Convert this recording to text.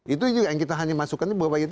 itu juga yang kita hanya masukkan